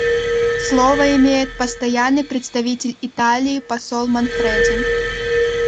Слово имеет Постоянный представитель Италии посол Манфреди.